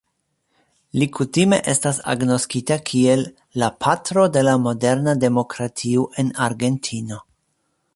Li kutime estas agnoskita kiel "la patro de la moderna demokratio en Argentino".